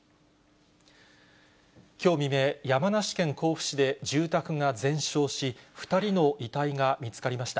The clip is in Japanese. きょう未明、山梨県甲府市で住宅が全焼し、２人の遺体が見つかりました。